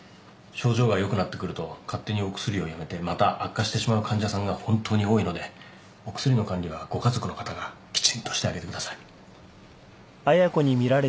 症状が良くなってくると勝手にお薬をやめてまた悪化してしまう患者さんが本当に多いのでお薬の管理はご家族の方がきちんとしてあげてください。